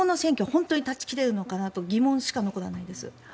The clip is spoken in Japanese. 本当に断ち切れるのかなと疑問しか残らないです。